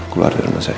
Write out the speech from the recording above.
keluar dari rumah saya